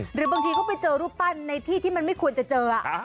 หรือบางทีก็ไปเจอรูปปั้นในที่ที่มันไม่ควรจะเจอ